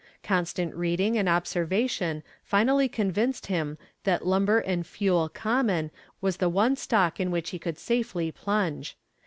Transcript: Constant reading and observation finally convinced him that Lumber and Fuel Common was the one stock in which he could safely plunge.